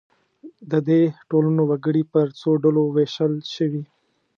د دې ټولنو وګړي پر څو ډلو وېشل شوي.